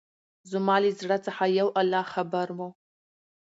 زما له زړه څخه يو الله خبر وو.